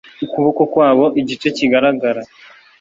Ukuboko kwabo igice kigaragara